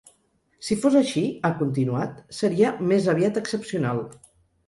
Si fos així, ha continuat, seria ‘més aviat excepcional’.